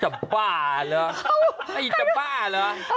จะบ้าเหรอ